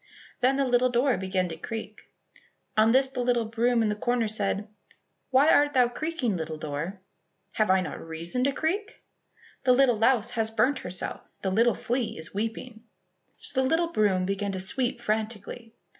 Then the little door began to creak. On this a little broom in the corner said, "Why art thou creaking, little door?" "Have I not reason to creak?" "The little louse has burnt herself, The little flea is weeping." So the little broom began to sweep frantically.